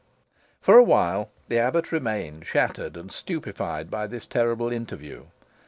For a while the abbot remained shattered and stupefied by this terrible interview.